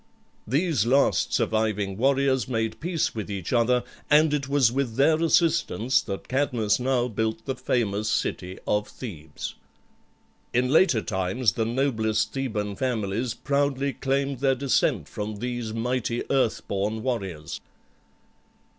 These last surviving warriors made peace with each other, and it was with their assistance that Cadmus now built the famous city of Thebes. In later times the noblest Theban families proudly claimed their descent from these mighty earth born warriors.